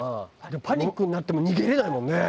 パニックになっても逃げられないもんね。